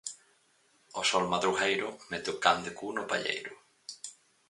O sol madrugueiro mete o can de cu no palleiro